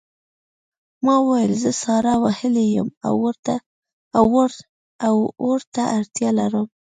ما وویل زه ساړه وهلی یم او اور ته اړتیا لرم